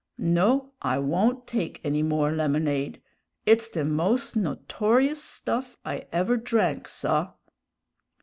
No, I won't take any more lemonade; it's the most notorious stuff I ever drank, saw!"